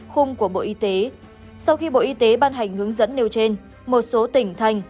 khung của bộ y tế sau khi bộ y tế ban hành hướng dẫn nêu trên một số tỉnh thành